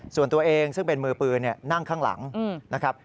ส่วนตัวเองซึ่งเป็นมือปืนนั่งข้างหลังนะครับ